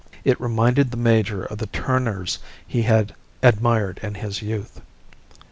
It reminded the major of the Turners he had admired in his youth.